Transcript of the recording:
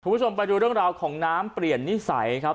คุณผู้ชมไปดูเรื่องราวของน้ำเปลี่ยนนิสัยครับ